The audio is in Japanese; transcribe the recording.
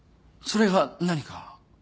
それが何か？